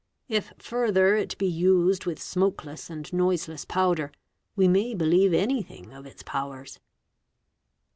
If further it be used with smokeless and noiseless powder, we may believe anything of its powers.